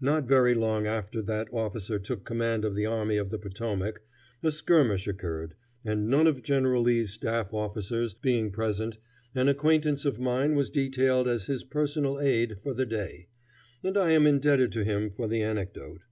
Not very long after that officer took command of the army of the Potomac, a skirmish occurred, and none of General Lee's staff officers being present, an acquaintance of mine was detailed as his personal aid for the day, and I am indebted to him for the anecdote.